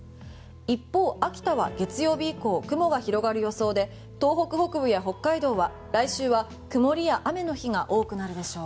一方、秋田は月曜日以降雲が広がる予想で東北北部や北海道は来週は曇りや雨の日が多くなるでしょう。